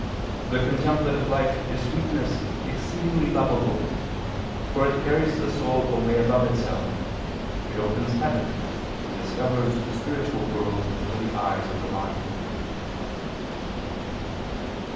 "The contemplative life is sweetness exceedingly lovable; for it carries the soul away above itself, it opens heaven and discovers the spiritual world to the eyes of the mind."